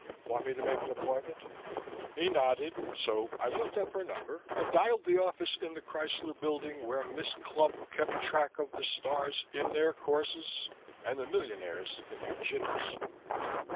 Want me to make an appointment?" He nodded, so I looked up her number and dialed the office in the Chrysler Building where Miss Clump kept track of the stars in their courses and the millionaires in their jitters.